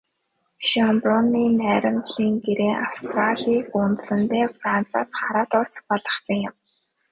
Шёнбрунны найрамдлын гэрээ Австрийг үндсэндээ Францаас хараат улс болгосон юм.